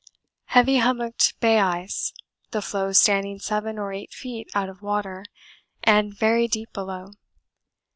Heavy hummocked bay ice, the floes standing 7 or 8 feet out of water, and very deep below.